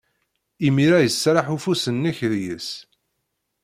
Imir-a iserreḥ ufus-nnek deg-s.